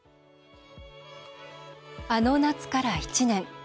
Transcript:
あの夏から１年。